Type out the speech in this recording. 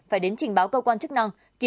phải đến trình báo cơ quan chức năng